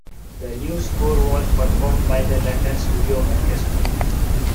The new score was performed by the London Studio Orchestra.